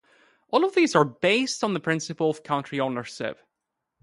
All of these are based on the principle of country ownership.